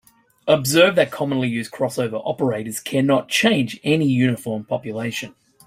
Observe that commonly used crossover operators cannot change any uniform population.